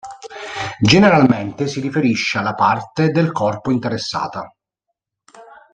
Generalmente si riferisce alla parte del corpo interessata.